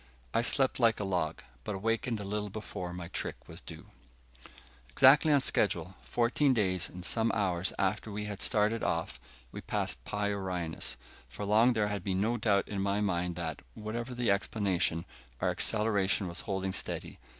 I slept like a log, but awakened a little before my trick was due. Exactly on schedule, fourteen days and some hours after we had started off, we passed Pi Orionis. For long there had been no doubt in my mind that, whatever the explanation, our acceleration was holding steady.